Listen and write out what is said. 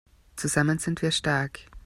Zusammen sind wir stark!